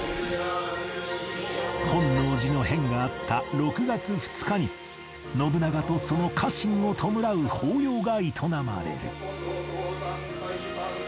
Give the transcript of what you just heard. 本能寺の変があった６月２日に信長とその家臣を弔う法要が営まれる